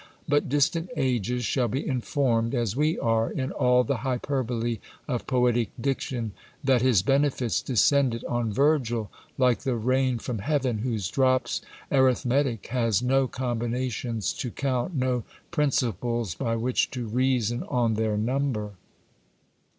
But distant ages shall be informed, as we are, in all the hyperbole of poetic diction, that his benefits descended on Virgil like the rain from heaven, whose drops arithmetic has no combinations to count, no princi ples by which to reason on their number.